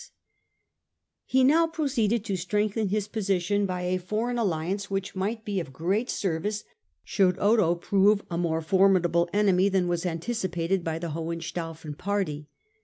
44 STUPOR MUNDI He now proceeded to strengthen his position by a foreign alliance, which might be of great service should Otho prove a more formidable enemy than was antici pated by the Hohenstaufen party.